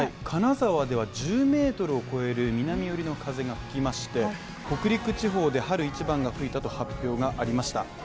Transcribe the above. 金沢では１０メートルを超える南寄りの風が吹きまして北陸地方で春一番が吹いたと発表がありました。